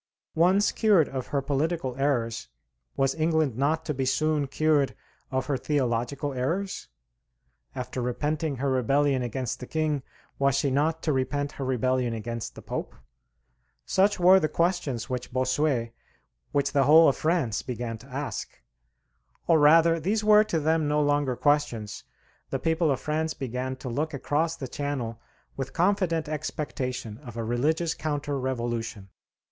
Once cured of her political errors, was England not to be soon cured of her theological errors? After repenting her rebellion against the King, was she not to repent her rebellion against the Pope? Such were the questions which Bossuet, which the whole of France, began to ask. Or rather, these were to them no longer questions: the people of France began to look across the Channel with confident expectation of a religious counter revolution.